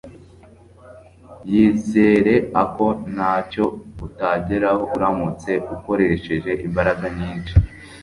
Yizereako ntacyo utageraho uramutse ukoresheje imbaraga nyinshi